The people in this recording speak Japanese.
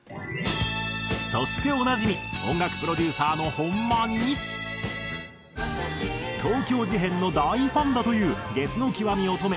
そしておなじみ音楽プロデューサーの本間に東京事変の大ファンだというゲスの極み乙女。